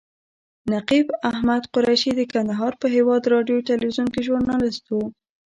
نقیب احمد قریشي د کندهار په هیواد راډیو تلویزیون کې ژورنالیست و.